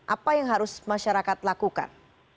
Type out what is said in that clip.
apa yang harus masyarakat lakukan